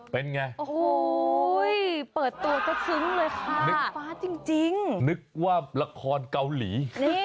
เป็นไงโอ้โหเปิดตัวก็ซึ้งเลยค่ะนึกฟ้าจริงนึกว่าละครเกาหลี